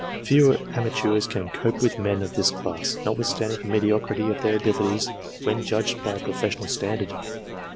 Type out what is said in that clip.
Few amateurs can cope with men of this class, notwithstanding the mediocrity of their abilities when judged by a professional standard.